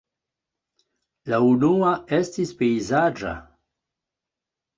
La unua estis pejzaĝa.